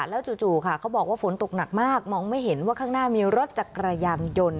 แล้วจู่ค่ะเขาบอกว่าฝนตกหนักมากมองไม่เห็นว่าข้างหน้ามีรถจักรยานยนต์